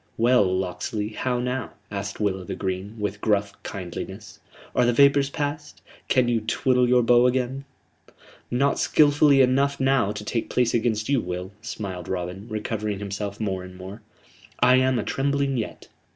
"Well, Locksley, how now?" asked Will o' th' Green, with gruff kindliness. "Are the vapors passed? Can you twiddle your bow again?" "Not skilfully enough now to take place against you, Will," smiled Robin, recovering himself more and more. "I am atrembling yet.